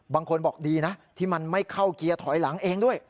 บางคนบอกดีนะที่มันไม่เข้าเกียร์ถอยหลังเองด้วย